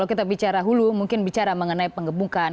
kalau kita bicara hulu mungkin bicara mengenai pengebukan